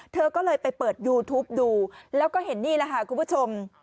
เธอก็เลยไปเปิดยูทูปดูแล้วก็เห็นนี่แหละค่ะคุณผู้ชม